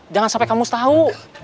jangan sampai kamu setau